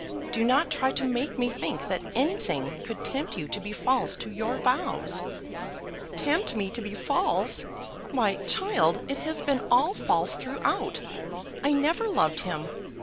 Do not try to make me think that anything could tempt you to be false to your vows." "Tempt me to be false! Why, child, it has been all false throughout. I never loved him.